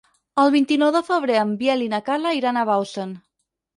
El vint-i-nou de febrer en Biel i na Carla iran a Bausen.